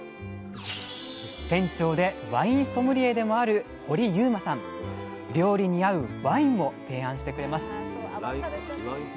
店長でワインソムリエでもある料理に合うワインも提案してくれます。